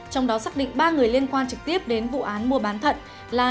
trong đó xác định ba người liên quan trực tiếp đến vụ án mua bán thận là